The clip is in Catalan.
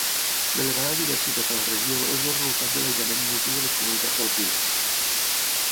L'elevada diversitat a la regió és el resultat de l'aïllament mutu de les comunitats alpines.